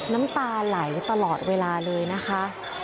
น้ำตาไหลตลอดเวลาเลยนะคะ